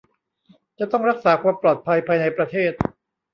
จะต้องรักษาความปลอดภัยภายในประเทศ